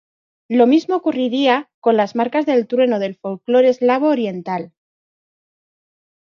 Lo mismo ocurriría con las marcas del trueno del folclore eslavo oriental.